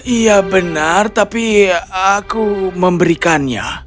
iya benar tapi aku memberikannya